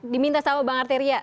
diminta sama bang arteria